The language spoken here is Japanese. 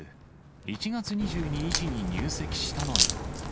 １月２２日に入籍したのよ。